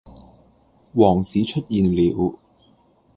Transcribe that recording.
王子出現了